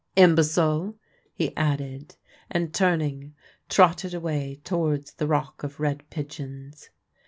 "Imbecile!" he added, and, turning, trotted away towards the Rock of Red Pigeons.